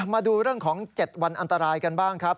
มาดูเรื่องของ๗วันอันตรายกันบ้างครับ